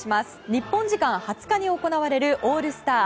日本時間２０日に行われるオールスター。